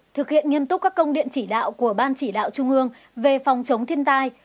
thực hiện nghiêm túc các công điện chỉ đạo của ban chỉ đạo trung ương về phòng chống thiên tai